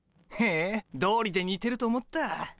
へえどうりでにてると思った。